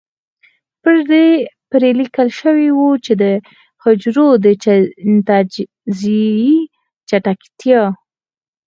پرې ليکل شوي وو د حجرو د تجزيې چټکتيا.